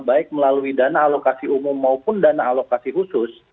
baik melalui dana alokasi umum maupun dana alokasi khusus